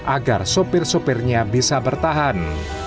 agar supir supirnya bisa bertahan